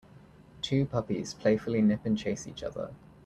Two puppies playfully nip and chase each other.